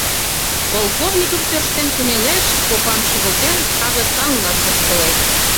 — Полковников тӧрштен кынелеш, копам шӱвылтен, агытанла тӧрштылеш.